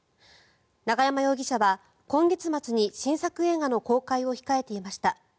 永山容疑者は今月末に新作映画の公開を控えていました。